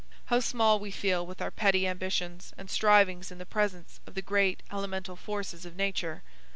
How small we feel with our petty ambitions and strivings in the presence of the great elemental forces of nature!